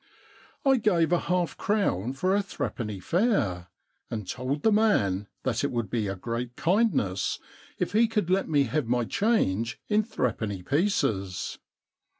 I gave a half crown for a threepenny fare, and told the man that it would be a great kind ness if he could let me have my change in threepenny pieces.